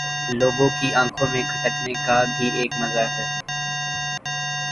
لوگوں کی آنکھوں میں کھٹکنے کا بھی ایک مزہ ہے